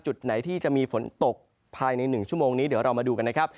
จุดไหนที่จะมีฝนตกภายใน๑ชั่วโมงนี้เดี๋ยวเรามาดูกันนะครับ